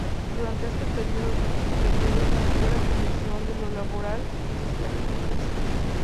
Durante este periodo dirigió la Comisión de lo Laboral y Social del Congreso.